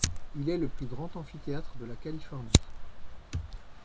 Il est le plus grand amphithéâtre de la Californie.